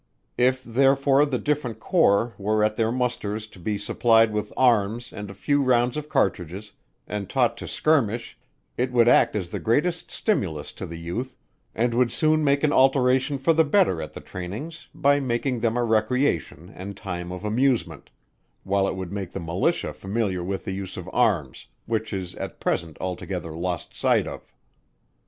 If therefore the different corps were at their musters to be supplied with arms and a few rounds of cartridges, and taught to skirmish, it would act as the greatest stimulous to the youth, and would soon make an alteration for the better at the trainings; by making them a recreation and time of amusement: while it would make the Militia familiar with the use of arms which is at present altogether lost sight of.